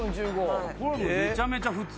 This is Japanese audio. これめちゃめちゃ普通。